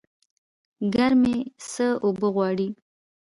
ګرمي څه اوبه غواړي؟